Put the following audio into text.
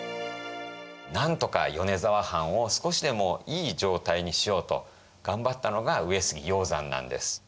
なんとか米沢藩を少しでもいい状態にしようと頑張ったのが上杉鷹山なんです。